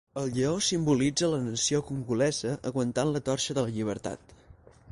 El lleó simbolitza la nació congolesa, aguantant la torxa de la llibertat.